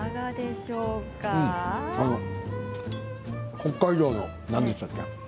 北海道の何でしたっけ？